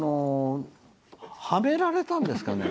はめられたんですかね？